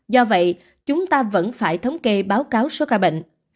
do vậy chúng ta vẫn phải thống kê báo cáo số ca bệnh